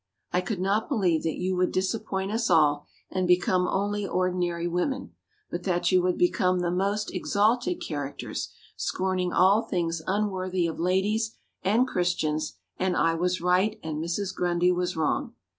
I could not believe that you would disappoint us all and become only ordinary women, but that you would become the most exalted characters, scorning all things unworthy of ladies and Christians and I was right and Mrs. Grundy was wrong.